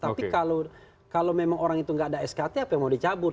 tapi kalau memang orang itu nggak ada skt apa yang mau dicabut